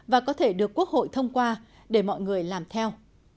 và có thể được quốc hội thông qua để mọi người làm theo